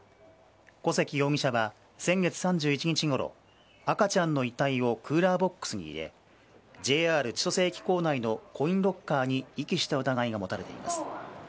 小関容疑者は先月３１日ごろ赤ちゃんの遺体をクーラーボックスに入れＪＲ千歳駅構内のコインロッカーに遺棄した疑いが持たれています。